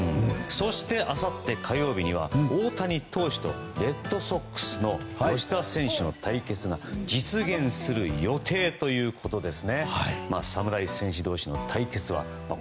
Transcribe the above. そして、あさって火曜日には大谷投手とレッドソックスの吉田選手の対決が実現する予定ということです。